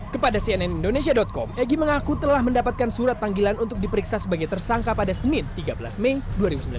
kepada cnn indonesia com egy mengaku telah mendapatkan surat panggilan untuk diperiksa sebagai tersangka pada senin tiga belas mei dua ribu sembilan belas